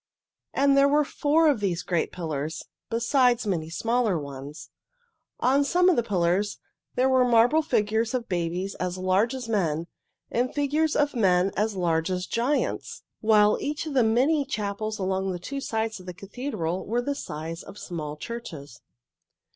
And there were four of these great pillars, besides many smaller ones. On some of the pillars there were marble figures of babies as large as men, and figures of men as large as giants, while each of the many chapels along the two sides of the cathedral were the size of small churches.